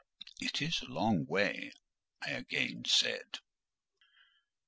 "It is a long way," I again said.